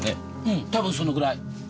うん多分そのぐらい。